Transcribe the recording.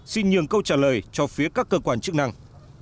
xin nhường câu trả lời cho phía các cơ quan chức năng